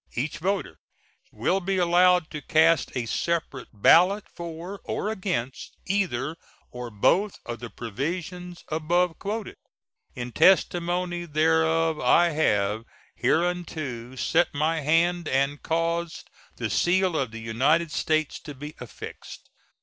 Each voter will be allowed to cast a separate ballot for or against either or both of the provisions above quoted. In testimony whereof I have hereunto set my hand and caused the seal of the United States to be affixed.